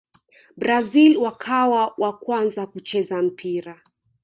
brazil wakawa wa kwanza kucheza mpira